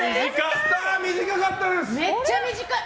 スター、短かったです！